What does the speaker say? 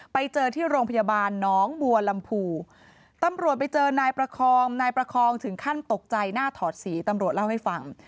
ไปเจอที่โรงพยาบาลน้องบัวลำพูตำรวจไปเจอนายประคองนายประคองถึงขั้นตกใจหน้าถอดสีตำรวจเล่าให้ฟัง